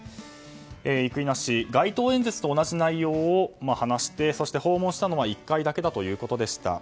生稲氏は、街頭演説と同じ内容を話してそして訪問したのは１回だけだったということでした。